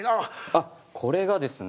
あっこれがですね。